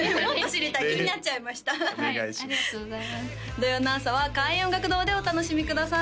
土曜の朝は開運音楽堂でお楽しみください